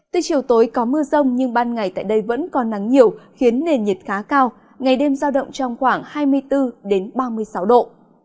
từ chiều tối có mưa rông nhưng ban ngày tại đây vẫn còn nắng nhiều khiến nền nhiệt khá cao ngày đêm giao động trong khoảng hai mươi bốn ba mươi sáu độ